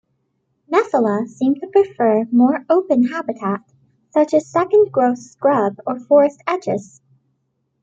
"Nephila" seem to prefer more open habitat such as second-growth scrub or forest edges.